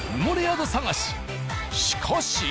しかし。